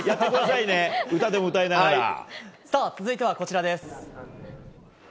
続いてはこちらです。